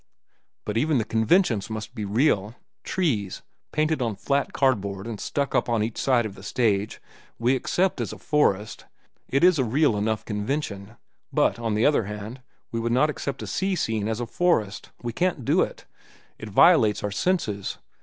"But even the conventions must be real. Trees, painted on flat cardboard and stuck up on each side of the stage, we accept as a forest. It is a real enough convention. But, on the other hand, we would not accept a sea scene as a forest. We can't do it. It violates our senses.